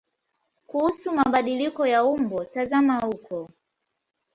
Kuhusu mabadiliko ya umbo tazama huko.